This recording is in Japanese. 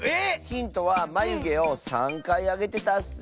⁉ヒントはまゆげを３かいあげてたッス。